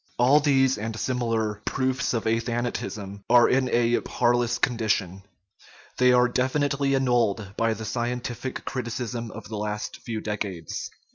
All these and sim ilar " proofs of athanatism " are in a parlous condition ; 203 THE RIDDLE OF THE UNIVERSE they are definitely annulled by the scientific criticism of the last few decades.